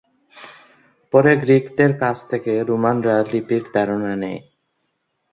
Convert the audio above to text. পরে গ্রিকদের কাছ থেকে রোমানরা লিপির ধারণা নেয়।